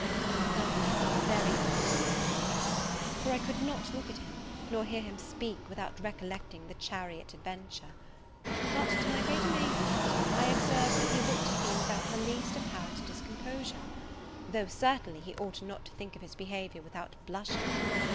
I felt myself very uneasy in his presence; for I could not look at him, nor hear him speak, without recollecting the chariot adventure; but, to my great amazement, I observed that he looked at me without the least apparent discomposure, though, certainly, he ought not to think of his behaviour without blushing.